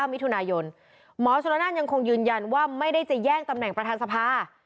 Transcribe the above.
มิถุนายนหมอชนละนานยังคงยืนยันว่าไม่ได้จะแย่งตำแหน่งประธานสภา